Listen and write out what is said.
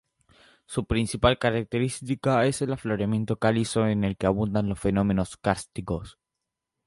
Su principal característica es el afloramiento calizo en el que abundan los fenómenos kársticos.